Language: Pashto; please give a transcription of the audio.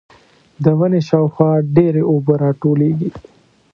د ونې شاوخوا ډېرې اوبه راټولېږي.